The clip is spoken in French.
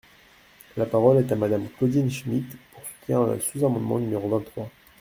La parole est à Madame Claudine Schmid, pour soutenir le sous-amendement numéro vingt-trois.